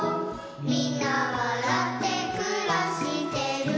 「みんなわらってくらしてる」